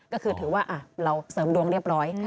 ก็คือถือว่าเราเสริมดวงเรียบร้อย